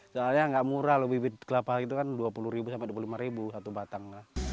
soalnya nggak murah loh bibit kelapa itu kan dua puluh ribu sampai dua puluh lima satu batang